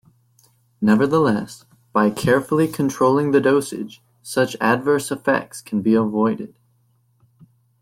Nevertheless, by carefully controlling the dosage, such adverse effects can be avoided.